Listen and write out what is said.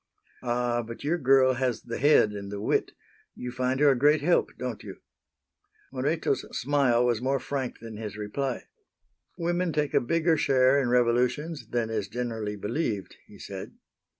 "Ah! but your girl has the head and the wit. You find her a great help, don't you?" Moreto's smile was more frank than his reply. "Women take a bigger share in revolutions than is generally believed." he said.